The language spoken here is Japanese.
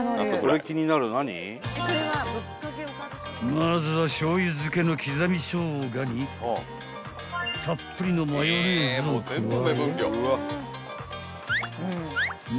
［まずはしょうゆ漬けの刻みショウガにたっぷりのマヨネーズを加え］